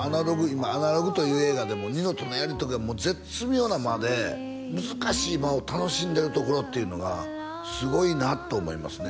今「アナログ」という映画でもニノとのやりとりがもう絶妙な間で難しい場を楽しんでるところっていうのがすごいなと思いますね